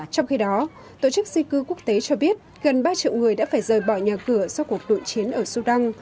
trong khi đó tổ chức di cư quốc tế cho biết gần ba triệu người đã phải rời bỏ nhà cửa sau cuộc nội chiến ở sudan